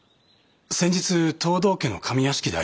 先日藤堂家の上屋敷で会いました。